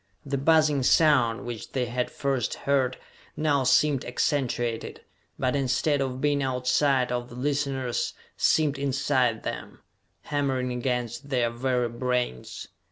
The buzzing sound which they had first heard now seemed accentuated, but, instead of being outside of the listeners, seemed inside them, hammering against their very brains!